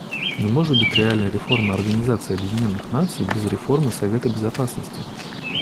Не может быть реальной реформы Организации Объединенных Наций без реформы Совета Безопасности.